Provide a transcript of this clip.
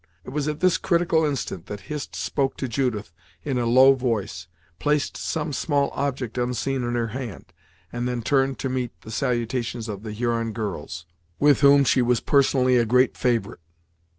It was at this critical instant that Hist spoke to Judith in a low voice, placed some small object unseen in her hand, and then turned to meet the salutations of the Huron girls, with whom she was personally a great favorite.